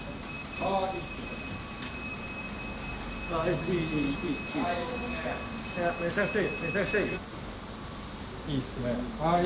ああ、いいっすね。